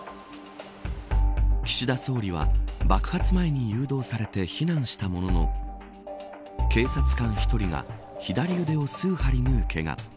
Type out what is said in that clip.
岸田総理は爆発前に誘導されて避難したものの警察官１人が左腕を数針縫うけが。